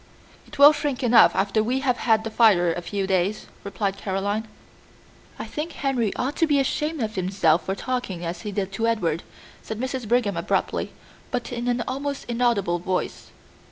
"It will shrink enough after we have had the fire a few days," replied Caroline. "I think Henry ought to be ashamed of himself for talking as he did to Edward," said Mrs. Brigham abruptly, but in an almost inaudible voice.